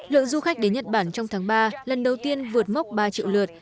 lượng du khách đến nhật bản trong tháng ba lần đầu tiên vượt mốc ba triệu lượt